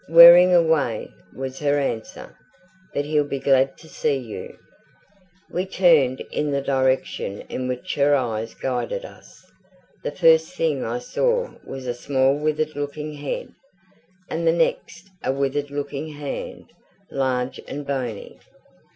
"Wearing away," was her answer. "But he'll be glad to see you." We turned in the direction in which her eyes guided us. The first thing I saw was a small withered looking head, and the next a withered looking hand, large and bony.